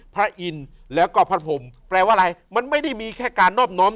พระอินทร์แล้วก็พระพรมแปลว่าอะไรมันไม่ได้มีแค่การนอบน้อม